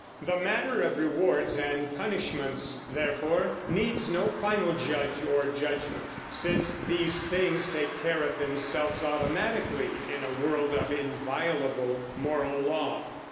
The matter of rewards and punishments, therefore, needs no final judge or judgment, since these things take care of themselves automatically in a world of inviolable moral law.